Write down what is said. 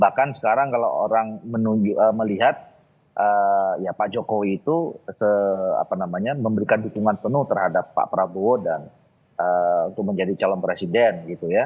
bahkan sekarang kalau orang melihat ya pak jokowi itu memberikan dukungan penuh terhadap pak prabowo dan untuk menjadi calon presiden gitu ya